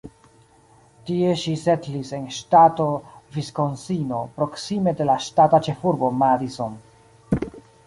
Tie ŝi setlis en ŝtato Viskonsino proksime de la ŝtata ĉefurbo Madison.